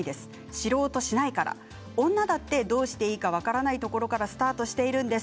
知ろうとしないから女だって、どうしていいか分からないところからスタートしているんです。